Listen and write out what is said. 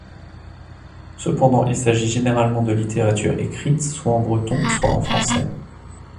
Cependant il s'agit généralement de littérature écrite soit en breton soit en français.